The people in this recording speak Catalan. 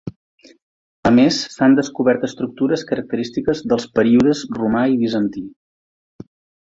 A més s'han descobert estructures característiques dels períodes romà i bizantí.